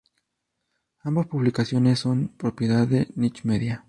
Ambas publicaciones son propiedad de Niche Media.